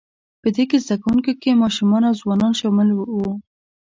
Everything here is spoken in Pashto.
په دې زده کوونکو کې ماشومان او ځوانان شامل وو،